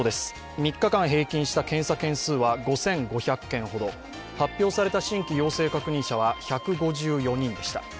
３日間平均した検査件数は５５００件ほど発表された新規陽性確認者数は１５４人でした。